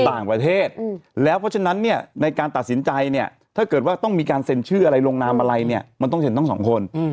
ต่างประเทศแล้วเพราะฉะนั้นเนี่ยในการตัดสินใจเนี่ยถ้าเกิดว่าต้องมีการเซ็นชื่ออะไรลงนามอะไรเนี่ยมันต้องเห็นทั้งสองคน